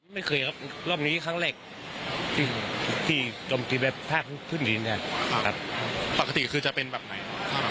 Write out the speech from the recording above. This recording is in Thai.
ไม่เคยครับรอบนี้ครั้งแรกที่จมตีแบบภาคพื้นดินเนี่ยปกติคือจะเป็นแบบไหน